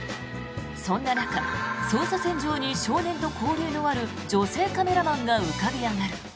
そんな中、捜査線上に少年と交流のある女性カメラマンが浮かび上がる。